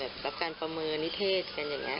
รับการประเมินนิเทศกันอย่างนี้